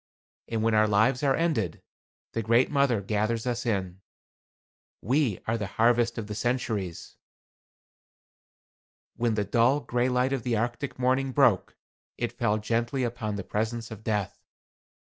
And when our lives are ended, the Great Mother gathers us in. We are the harvest of the centuries." When the dull, gray light of the Arctic morning broke, it fell gently upon the presence of Death.